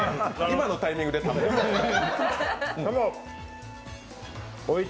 今のタイミングで食べない。